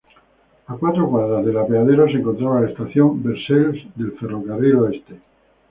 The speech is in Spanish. A cuatro cuadras del apeadero se encontraba la estación Versailles del Ferrocarril Oeste.